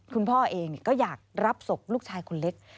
คุณพ่อเองก็อยากรับศพลูกชายคนเล็ก